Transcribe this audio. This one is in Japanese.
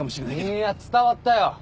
いいや伝わったよ。